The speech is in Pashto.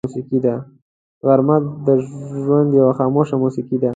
غرمه د ژوند یوه خاموش موسیقي ده